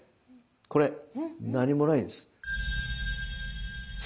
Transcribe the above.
これ何もないんです。